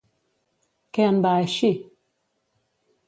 Què en va eixir?